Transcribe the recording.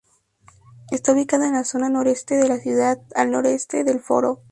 Está ubicada en la zona noroeste de la ciudad, al noreste del foro.